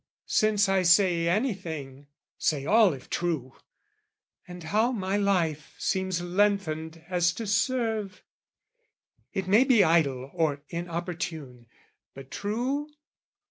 Since I say anything, say all if true! And how my life seems lengthened as to serve! It may be idle or inopportune, But, true?